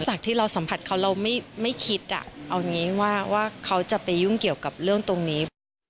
จากที่เราสัมผัสเขาเราไม่คิดเอาอย่างนี้ว่าเขาจะไปยุ่งเกี่ยวกับเรื่องตรงนี้